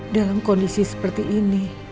dalam kondisi seperti ini